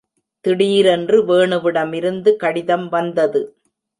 திடீரென்று வேணுவிடமிருந்து கடிதம் வந்தது.